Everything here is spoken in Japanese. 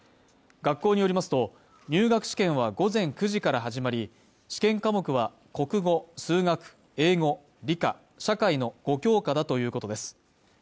学校によりますと、入学試験は午前９時から始まり、試験科目は、国語、数学、英語、理科、社会の５教科だということです。